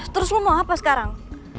terus lo mau apa sekarang